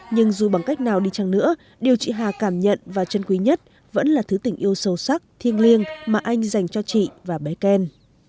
nhưng dù bằng cách nào đi chăng nữa điều chị hà cảm nhận và chân quý nhất vẫn là thứ tình yêu sâu sắc thiêng liêng mà anh dành cho chị và bé ken